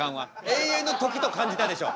永遠の時と感じたでしょ。